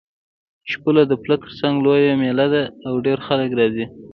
شپوله د پله تر څنګ لویه مېله ده او ډېر خلک راځي.